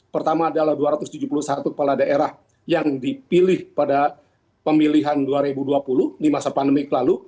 pertama adalah dua ratus tujuh puluh satu kepala daerah yang dipilih pada pemilihan dua ribu dua puluh di masa pandemik lalu